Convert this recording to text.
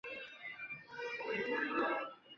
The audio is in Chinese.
维诺托努斯凯尔特神话神只之一。